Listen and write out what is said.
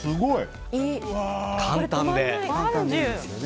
簡単で。